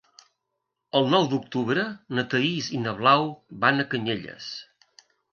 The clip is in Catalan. El nou d'octubre na Thaís i na Blau van a Canyelles.